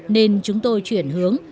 nên chúng tôi chuyển hướng